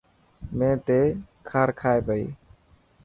مين تي کار کائي پئي.